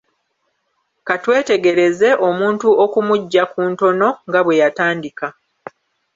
Ka twetegereze omuntu okumuggya ku ntono nga bwe yatandika.